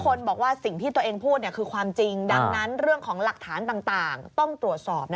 คนบอกว่าสิ่งที่ตัวเองพูดคือความจริงดังนั้นเรื่องของหลักฐานต่างต้องตรวจสอบ